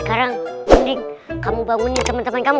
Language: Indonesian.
sekarang mending kamu bangun ya temen temen kamu